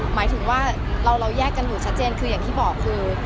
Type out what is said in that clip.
หมายถึงว่าเราแยกกันอยู่ชัดเจนคืออย่างที่บอกคือ